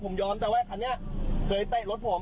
คันนี้เคยเตะรถผม